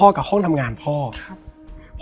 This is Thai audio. แล้วสักครั้งหนึ่งเขารู้สึกอึดอัดที่หน้าอก